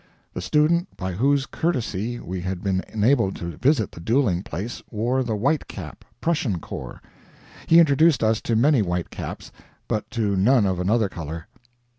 The student by whose courtesy we had been enabled to visit the dueling place, wore the white cap Prussian Corps. He introduced us to many white caps, but to none of another color.